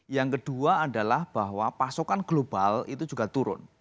yang kedua adalah bahwa pasokan global itu juga turun